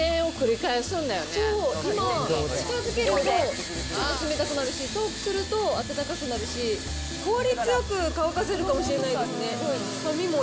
そう、今、近づけると、ちょっと冷たくなるし、遠くすると温かくなるし、効率よく乾かせるかもしれないですね。